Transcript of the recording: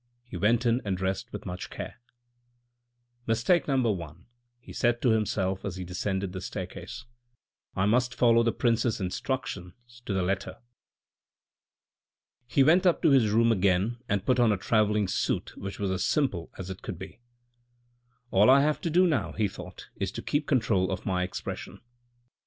He went in and dressed with much care. " Mistake No. 1," he said to himself as he descended the staircase :" I must follow the prince's instructions to the letter." He went up to his room again and put on a travelling suit which was as simple as it could be. " All I have to do now," he thought, " is to keep control of my expression."